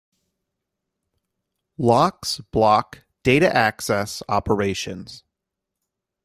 Locks block data-access operations.